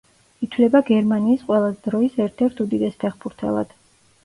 ითვლება გერმანიის ყველა დროის ერთ-ერთ უდიდეს ფეხბურთელად.